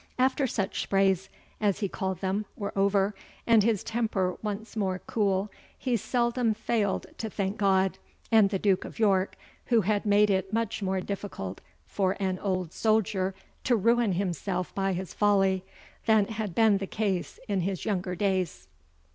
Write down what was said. After such sprays, as he called them, were over, and his temper once more cool, he seldom failed to thank God, and the Duke of York, who had made it much more difficult for an old soldier to ruin himself by his folly, than had been the case in his younger days.